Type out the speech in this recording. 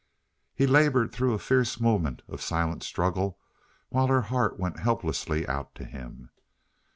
He labored through a fierce moment of silent struggle while her heart went helplessly out to him.